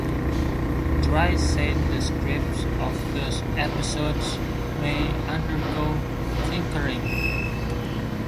Dries said the scripts of those episodes may undergo tinkering.